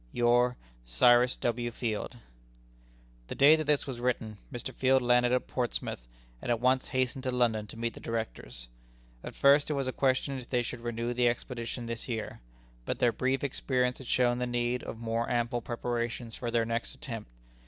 Your "Cyrus W. Field." The day that this was written, Mr. Field landed at Portsmouth, and at once hastened to London to meet the Directors. At first it was a question if they should renew the expedition this year. But their brief experience had shown the need of more ample preparations for their next attempt.